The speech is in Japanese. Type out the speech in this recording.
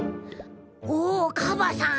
おおカバさん